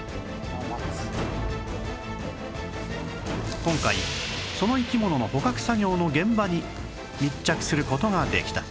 今回その生き物の捕獲作業の現場に密着する事ができた